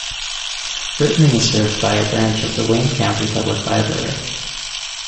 Rittman is served by a branch of the Wayne County Public Library.